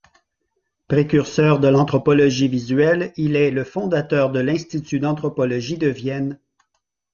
Précurseur de l'anthropologie visuelle, il est le fondateur de l'Institut d'anthropologie de Vienne.